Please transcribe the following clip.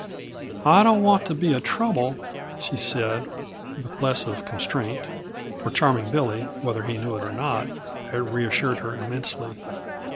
"I don't want to be a trouble," she said, with less of constraint; for Charming Billy, whether he knew it or not, had reassured her immensely.